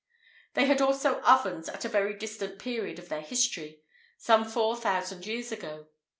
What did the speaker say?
[IV 15] They had also ovens at a very distant period of their history some four thousand years ago.